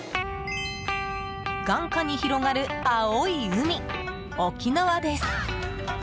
眼下に広がる青い海、沖縄です！